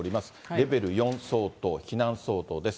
レベル４相当、避難相当です。